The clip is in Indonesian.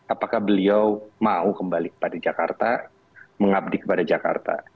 apakah beliau mau kembali kepada jakarta mengabdi kepada jakarta